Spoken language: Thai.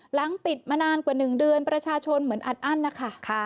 หลังปิดมานานกว่า๑เดือนประชาชนเหมือนอัดอั้นนะคะ